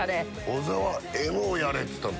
小沢Ｍをやれっつったの。